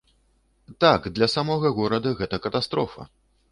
Так, для самога горада гэта катастрофа.